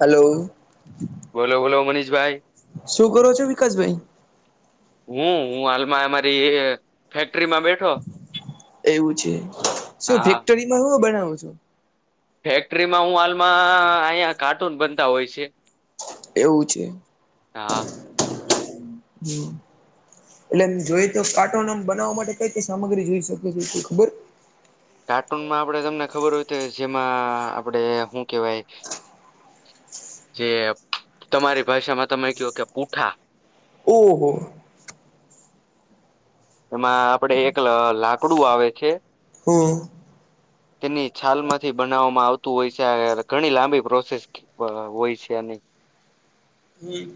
Hello બોલો બોલો મનીષભાઈ શું કરો છો વિકાસભાઈ હું હું હાલમાં અમારી ફેક્ટરીમાં બેઠ એવું છે શું હા ફેક્ટરીમાં હો બનાવો છો. ફેક્ટરીમાં હું હાલમાં અહીંયા કાર્ટૂન બનતા હોય છે. એવું છે હા હમ્મ. એટલે એમ જોઈએ તો કાર્ટુનો બનાવવા માટે કઈ કઈ સામગ્રી જોઈ શકે છે તે ખબર. કાર્ટૂનમાં આપડે તમને ખબર હોય તો જેમાં આપડે હું કેવાય જે તમારી ભાષામાં તમે કેવો કે પૂઠા. ઓહો. એમાં આપડે એક આ લાકડું આવે છે. હમ્મ. તેની છાલ માંથી બનાવવામાં આવતું હોય છે આ યાર ઘણી લાંબી પ્રોસેસ પણ હોય જ કે ની. હમ્મ.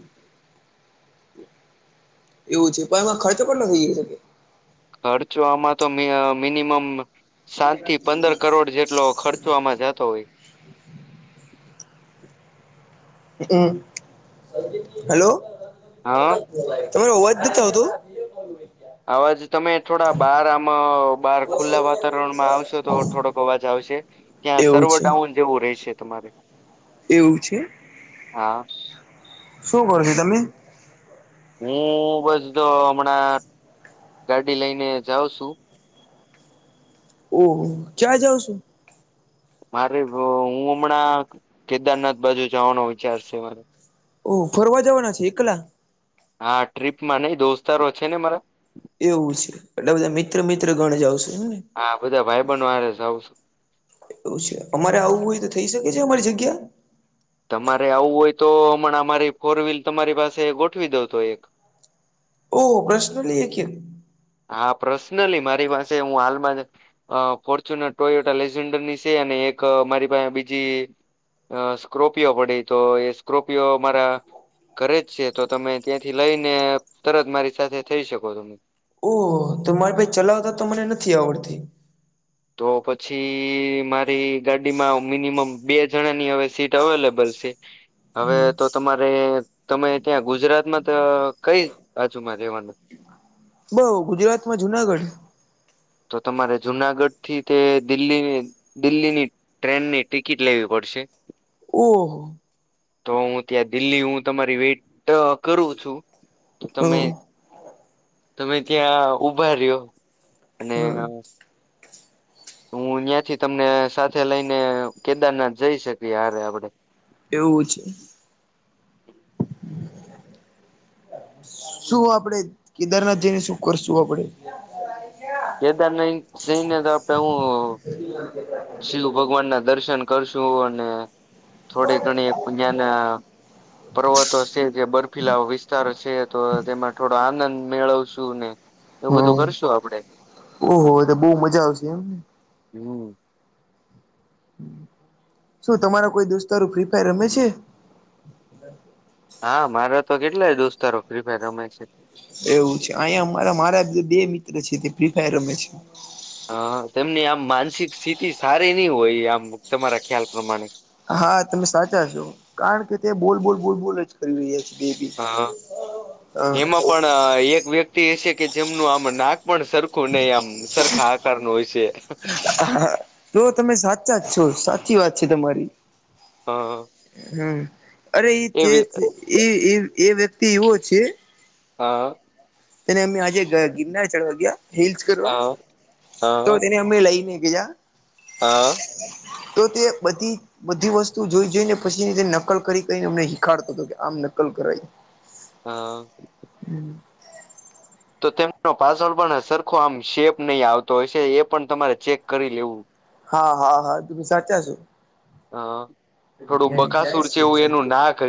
એવું છે પણ એમાં ખર્ચ પણ નથી જઈ શકે. ખર્ચો આમાં તો આ મિનિમમ સાત થી પંદર કરોડ જેટલો ખર્ચ આમાં જતો હોય. હમ્મ હેલો. હા. તમારું અવાજ તો નથી આવતું. બીજો કોનો રહી ગયા. અવાજ તમે થોડા બહાર આમાં બહાર ખુલ્લા વાતાવરણમાં આવશો તો થોડોક અવાજ આવશે. ત્યાં એવું સર્વર છે ડઉન જેવું રહેેશે તમારે. એવું છે. હા. શું કરો છો તમે. હું બસ તો હમણાં ગાડી લઈને જાઉં છું. ઓહ ક્યાં જાઓ છો. મારે તો હું હમણાં કેદારનાથ બાજુ જવાનો વિચાર છે મારે. ઓ ફરવા જવાના છે એકલા. હા ટ્રીપ માં નઈ દોસ્તારો છે ને મારા. એવું છે એટલે બધા મિત્ર મિત્ર ગણ જવાશે હેને. હા બધા [unintelligible] આરે છે જાવું છે. એવું છે અમારે આવવું હોય તો થઈ શકે છે અમારી જગ્યા. તમારે આવું હોય તો હમણાં અમારી ફોર વ્હીલ તમારી પાસે ગોઠવી દઉં તો એક. ઓહ પ્રશ્ન લી [unintelligible] હા પર્સનલી મારી પાસે હું હાલમાં જ અ ફોર્ચ્યુનર ટોયટ લેઝન્ડરની છે અને એક મારી પાસે બીજી અ સ્કો્રર્પિયો પડી તો એ સ્કો્રર્પિયો અમારા ઘરે જ છે તો તમે ત્યાંથી લઈને તરત મારી સાથે થઈ શકો તમે. ઓહ તો મારે ભાઈ ચલાવતા તો મને નથી આવડતી. તો પછી મારી ગાડીમાં મિનિમમ બે જણાની હવે સીટ અવેલેબલ છે. હવે તો તમારે તમે ત્યાં ગુજરાતમાં કઈ બાજુમાં રહેવાનું. બઉ ગુજરાતમાં જુનાગઢ. તો તમારે જુનાગઢ થી તે દિલ્હી દિલ્હીની ટ્રેનની ટિકિટ લેવી પડશે. ઓહો. તો હું ત્યાં દિલ્હી હું તમારી વેટ કરું છું. તો હ તમે તમે ત્યાં ઉભા રહ્યો. અને હા. હું અહીંયા થી તમને સાથે લઈને કેદારનાથ જઈ શકીએ હરે આપડે. એવું છે. શું આપડે કેદારનાથ જઈને શું કરશું આપણે. કેદાર નહી સિંહ ને તો આપડે હું [inaudible] શિવ ભગવાન ના દર્શન કરશું અને થોડી ઘણી અહીના પર્વતો છે કે બર્ફીલા વિસ્તારો છે તો તેમાં થોડો આનંદ મેળવશું ને એવું બધું હા કરશું આપડે ઓહો તો બહું મજા આવશે એમને હમ. શું તમારા કોઈ દોસ્તારું ફ્રી ફાયર રમે છે. હા મારા તો કેટલાય દોસ્તારો ફ્રી ફાયર રમે છે. એવું છે અહીયા અરા મારા બે મિત્ર છે તે ફ્રી ફાયર રમે છે. હ તેમની આમ માનસિક સ્થિતિ સારી નહી હોય આમ તમારા ખ્યાલ પ્રમાણે. હા તમે સાચા છો કારણ કે તે બોલ બોલ બોલ બોલ જ હા એમાં [inaudible] પણ એક વ્યક્તિ એ છે કે જેમનું આમ નાક પણ સર કોને આમ સરખા આકારનો હશે છે. હા. જો તમે સાચા જ છો સાચી વાત છે તમારી હ હમ. અરે એ એવી હ એ એ વ્યક્તિ એવો છે. હા. તેને અમે આજે ગિરનાર ચઢવા ગયા હસ હ કરવા હ તો તેને અમે લઈને ગયા હા. તો તે બધી બધી વસ્તુ જોઈ જઈને પછીની નકલ કરીને એમને હિખાડતો હતો કે આમ નકલ કરાય. હા. હમ. તો તેમનો પાસવડ પણ સરખો આમ શેપ નહીં આવતો હોય છે એ પણ તમારે ચેક કરી લેવું. હા હા હા ત સાચ છો. હા.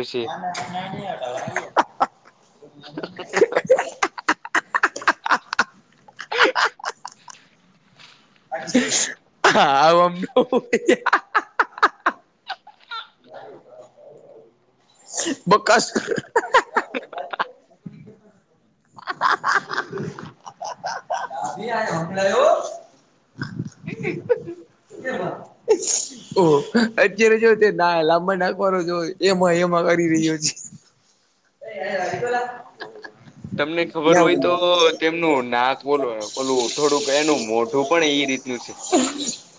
હશે [inaudible] [inaudible] [inaudible] [unintelligible] [inaudible] [unintelligible] [inaudible] ઓ અત્યારે જો તે ના લાંબા ના કરો જો એમાં એમાં કર [inaudible] તમને ખબર હોય તો તેમનું નાક બોલ બોલું થોડુંક એનું મોઢું પણ એ રીતે મ્યુસ.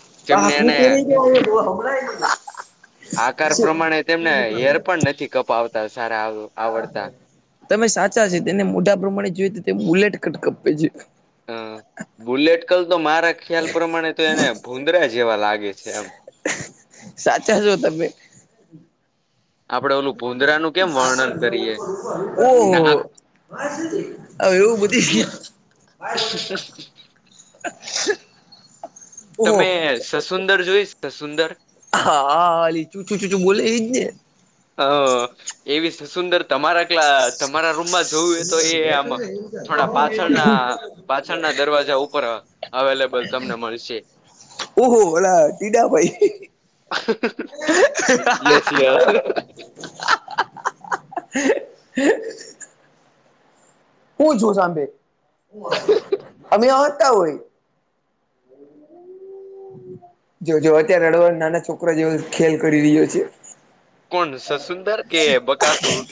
[inaudible] આકાર પ્રમાણે તેમને હેર પણ નથી કપાવતા સારા આવું તમે સાચા છે તેને મોઢા પ્રમાણે જોઈ તો તે બુલેટ કટ કાપે છે. હ બુલેટ કલ તો મારા ખ્યાલ પ્રમાણે તો એને ભુંદરા જેવા લાગે છે એમ. સાચા છો તમે. આપડે ઓલું ભૂંદરાનું કેમ વર્ણન કરીએ નાક ઓહ. હ એવું બધી [inaudible] [inaudible] ઓહો તમે સસુંદર જોઈશ સસુંદર હા હા હાલી ચૂચું ચૂચું બોલે એઈજ ને હ એવી સસુંદર તમારા કલા તમારા રૂમમાં જ જોય એ તો એ આમ થોડા પાછળના પાછળના દરવાજા ઉપર અવેલેબલ તમને મળશે. ઓહો મલા ટીડા ભાઈ યસ હા.. યસ હા.. હા હ.. હહ હું છુ સાંભે, અમે હતા હોય. [inaudible] જો જો અત્યારે રળવા નાના છોકરા જેવો ખેલ કરી રહ્યો છે. કોણ સસુંદર કે બકાસુર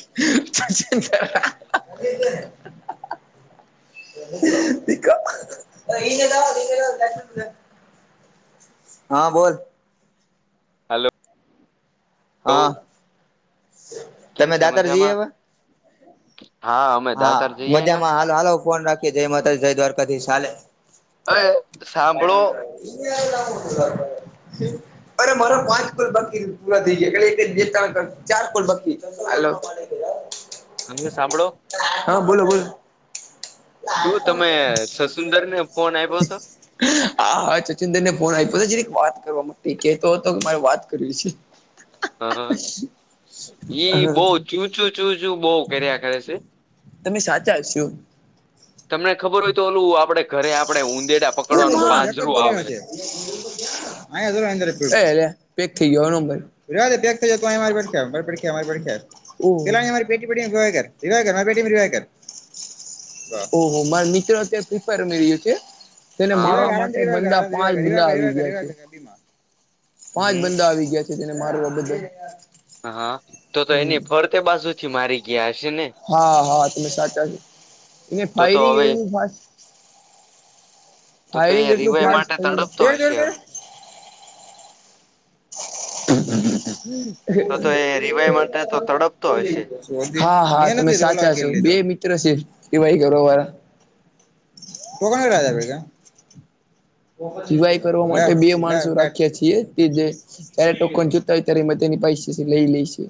છ સુંદર [unintelligible] એને અ [unintelligible] હા બોલ. હલો હા. કેમ તમે છે દાતાર જઈએ મજામાં? હવે હા અમે હા દાતાર જઈએને મજામાં હાલો હાલો ફોન રાખી જય માતાજી જય દ્વારકાધીશ ચાલે અરે સાંભળો [unintelligible] અરે મારો પાંચ પોલ બાકી પુરા થઈ જાય એટ ચાર કોલ બાકી અમને સાંભળો હા બોલો બોલો શું તમે [inaudible] સસુંદર ને ફોન આપ્યો [unintelligible] [inaudible] હા હા છછુંદર ને ફોન આપ્યો જરીક વાત કરવા માટે કેતો હતો ક મારે વાત કરવી છે. હા હ ઈ હા બહુ ચૂ ચું ચૂ ચું બહુ કર્યા કરે છે. તમે સાચા શો તમને ખબર હોય તો ઓલું આપણે ઘરે આપડણે ઊંદેડા એ પકડવાનું પાંજરું આવે [unintelligible] હ પેક થઈ ગયો [unintelligible] નબર રહેવા દે પેક થઈ જાય તો તું અહિં મારે પડખે મારે પડખી આયા [unintelligible] લારીટી વિવાર વિવાર માટી ર વિવાકર ઓહો માર મિત્ર [inaudible] ઉમે છે તેને હા મારવા માટે બંદા પાંચ [inaudible] લા આવી ગયા છે પાંચ હમ બંદા આવી ગયા છે તેને મારવા બદલ હા તો તો હમ. એની ફરતે બાજુ થી મારી ગયા હશે ને હા હા તમે સાચા છો એને તો તો ફાયરિંગ હવે એવું ફાસ્ટ તો તો ફાયરિંગ એ એટલું રિવાય ફાસ માટે થયું. તડપતો હશે હ તો તો એ રિવાય માટે તો તડપતો હશે [unintelligible] [inaudible] હા હા તમે સાચા છો બે મિત્ર છે કેવાય ગરોવાર તો કોને કરજ ભ ક [unintelligible] સિવાય કરવા માટે બે માણસો રાખ્યા છીએ કે જે ત્યારે ટોકોન જોતા હોય ત્યારે તેની પૈસે લઈ લઈ છે.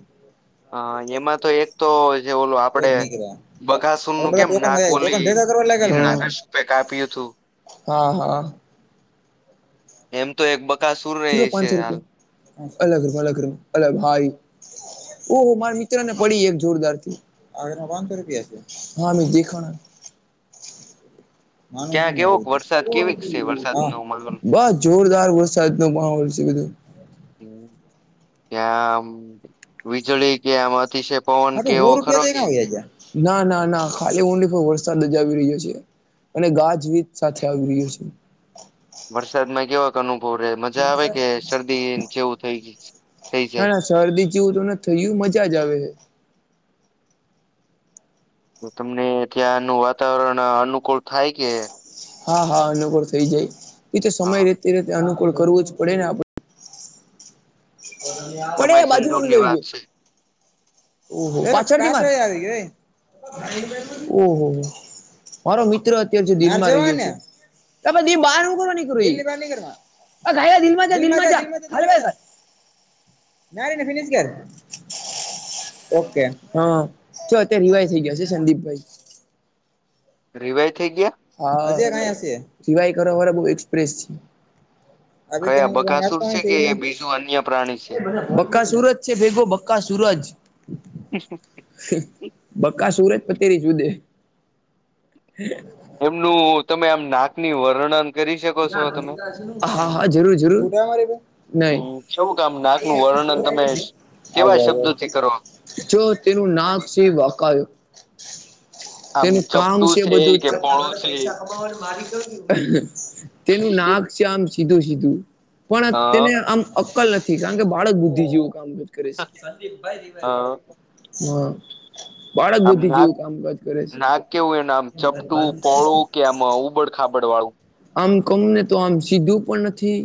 હા એમાં તો એક તો જે ઓલો જ આપડે નીકળ્યા બગાસુર હવે નું બધા કેમ ટોકન ગયા ટોકન નાકોલી ભેગા કરવા લાગ્યા છે ને હિરણા કશપે કાપ્યું હતું. હા હા. એમ તો એક બકાસુર જીરો હી છે પાંચસો હાલ રૂપિયા અલગ ર અલગ ર અલગ હા ઈ ઓ મારા મિત્ર ને પડી એક જોરદાર થી [inaudible] હામે દેખણ [inaudible] માણ ક્યાં ને હ કેવોક બસ વરસાદ કેવીક છે વરસાદ નો માહોલ [unintelligible] જોરદાર વસ્સાદ નુ મહોલ છે. હમ ત્યાં વિજડી કે આમાંથી છે પવન હા કે તો હો એવો રૂપિયા ખરો તો કે. ક્યાં વયા ગયા ના ના ના ખાલી ઊંડી પર વરસાદ જ આવી રહ્યો છે. અને ગાજવીજ સાથે આવી રહ્યો છે. વરસાદ માં કેવા અનુભવ રે મજા આવે કે શરદી જેવું થઈ થઈ ના જાય. ના શરદી જેવું તોને થયું મજા જ આવે છે. તો તમને ત્યાંનું વાતાવરણ અનુકૂળ થાય કે હા હા અનુકૂળ થઈ જાય બી તો સમય હા રેતે રતે અનુકૂળ કરવું જ પડે ને આપણે પણ એ સમય બાજુમાં સંજોગની વાત આવી છે ગયયો પાછળ આવી ગયો. ઓહોહ મારો મિત્ર અત્યારે દીભ ને [unintelligible] ના રને ફિનશગર ઓકે હ ચ અ રિવાય થઈ ગયો છે સંદીપભાઈ રિવા થઈ ગયા. હા સિવાય કર વાળ બ એક્સપ્રેસ છે. આપ કે કયા બકાસુર આપ છે કે એ છેને બીજું અન્ય પ્રાણી છે બકા સુરત [unintelligible] ભેગો બક્કા સૂરજ. [unintelligible] બકા સુરજ પતેરી જુદે એમનું તમે આમ નાકની વર્ણન કરી શકો છો તમે હા હા જરૂર જરૂર નહી. હમ કેવું કે આમ નાકનું વર્ણન તમે કેવા આવો આવો શબ્દોથી કરો જો તેનું નામ છે [unintelligible] આમ તેનું કામ ચપટું છે બધું કે પોળું છે પૈસા કમાવાનું મારી તેનું નાક છે આમ સીધું સીધું પણ અ તેને આમ અક્કલ નથી કારણ કે બાળક બુદ્ધિ જેવું કામ કરે છે. અ હ બાળક આમ બધી નાક જેવું કામકાજ કરે છે નાક કેવું એનું આમ ચપટું પોહોળું કે આમ ઉબડ ખાબડ વાળું? આમ કમ ને તો આમ સીધું પણ નથી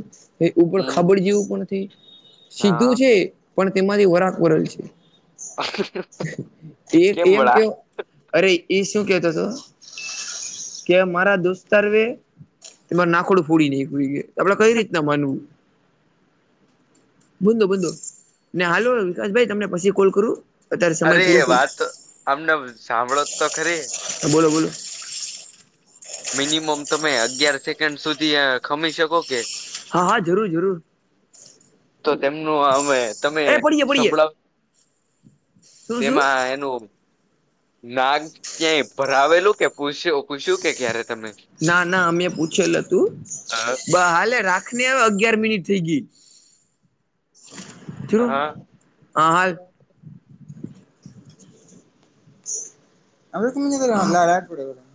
એ ઉપર હમ ખાબડ જેવું પણ નથી. સીધું હા છે પણ તેમાંથી વરાક વરલ છે. એ કેમ એમ કે વળા [unintelligible] અરે એ શું કેતો હતો કે મારા દોસ્તારવે એમાં નાખોડું ફોડી ન એક આપડે કઈ રીતના માનવું. બુંંદો બુંંદો ને હાલો વિકાસભાઈ તમને પછી કોલ કરું? અત્યારે સમય અરે પૂરો થઈ વાત અમને સાંભળો તો ખરી. બોલો બોલો મિનિમમ તમે અગિયાર સેકન્ડ સુધી ખમી શકો કે? હા હા જરૂર જરૂર. તો તેમનું અમે તમે એ પડીએ પડીએ સંભળાવ શું શું તેમાં એનું નાગ ક્યાંય ભરાવેલું કે પૂછ્યું પૂછ્યું કે ક્યારે તમે ના ના અમે પૂછેલ હતું હાલે રાખને હ અગિયાર મિનિટ થઈ ગઈ. તું હા હા હાલ [unintelligible]